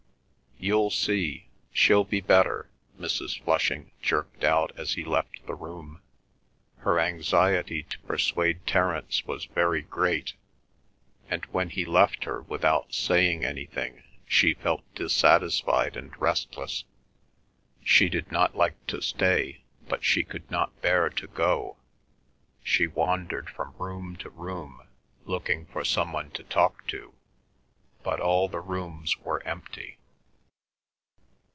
"You see—she'll be better," Mrs. Flushing jerked out as he left the room. Her anxiety to persuade Terence was very great, and when he left her without saying anything she felt dissatisfied and restless; she did not like to stay, but she could not bear to go. She wandered from room to room looking for some one to talk to, but all the rooms were empty.